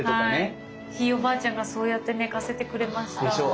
ひいおばあちゃんがそうやって寝かせてくれました。